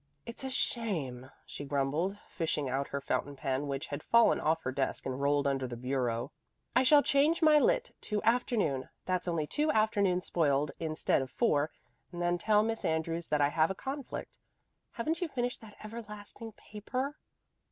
"It's a shame," she grumbled, fishing out her fountain pen which had fallen off her desk and rolled under the bureau. "I shall change my lit. to afternoon that's only two afternoons spoiled instead of four and then tell Miss Andrews that I have a conflict. Haven't you finished that everlasting paper?"